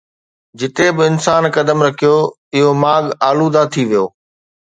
جتي به انسان قدم رکيو، اُهو ماڳ آلوده ٿي ويو